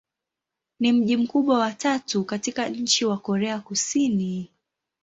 Ni mji mkubwa wa tatu katika nchi wa Korea Kusini.